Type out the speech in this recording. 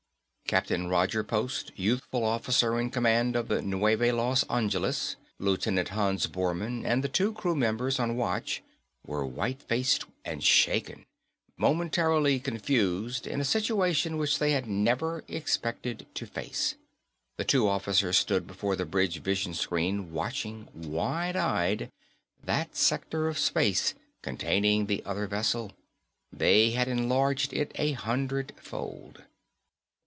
Captain Roger Post, youthful officer in command of the Neuve Los Angeles, Lieutenant Hans Bormann and the two crew members on watch were white faced and shaken, momentarily confused in a situation which they had never expected to face. The two officers stood before the bridge vision screen watching, wide eyed, that sector of space containing the other vessel. They had enlarged it a hundred fold.